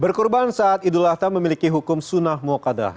berkurban saat idul ahtam memiliki hukum sunnah muakadah